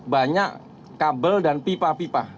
banyak kabel dan pipa pipa